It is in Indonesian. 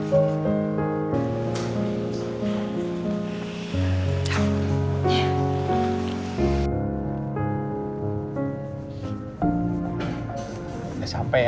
udah sampai ya